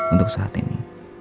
untuk saat ini